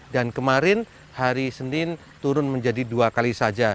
dan kemarin hari senin turun menjadi dua kali saja